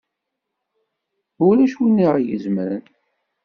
Ulac win i yaɣ-izemren!